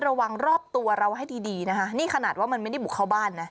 ระวังรอบตัวเราให้ดีดีนะคะนี่ขนาดว่ามันไม่ได้บุกเข้าบ้านนะ